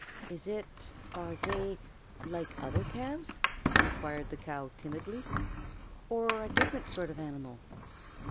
"Is it are they like other calves?" inquired the cow, timidly, "or a different sort of animal?"